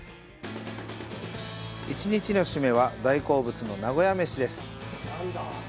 １日の締めは、大好物の名古屋めしです。